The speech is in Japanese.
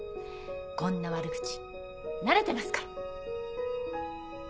こんな悪口慣れてますから。